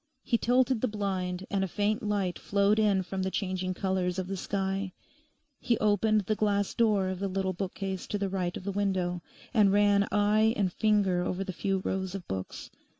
He tilted the blind, and a faint light flowed in from the changing colours of the sky. He opened the glass door of the little bookcase to the right of the window, and ran eye and finger over the few rows of books.